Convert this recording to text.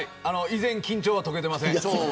依然、緊張は解けていません。